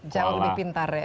jauh lebih pintar ya